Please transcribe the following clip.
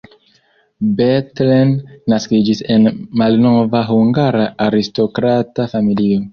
Bethlen naskiĝis en malnova hungara aristokrata familio.